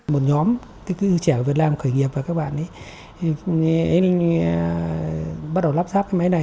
một nhóm tức là trẻ việt nam khởi nghiệp và các bạn ấy bắt đầu lắp sáp cái máy này